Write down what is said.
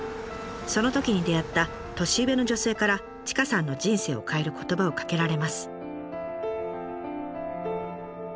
そのときに出会った年上の女性から千賀さんの人生を変える言葉をかけられます。